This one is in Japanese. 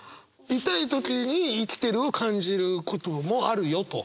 痛い時に生きてるを感じることもあるよと？